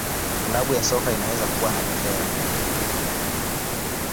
Klabu ya soka inaweza kuwa na bendera.